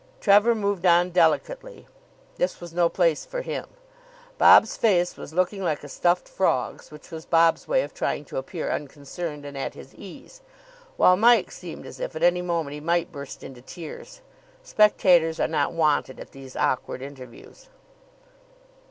Trevor moved on, delicately. This was no place for him. Bob's face was looking like a stuffed frog's, which was Bob's way of trying to appear unconcerned and at his ease, while Mike seemed as if at any moment he might burst into tears. Spectators are not wanted at these awkward interviews.